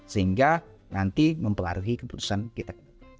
sehingga nanti mempengaruhi keputusan kita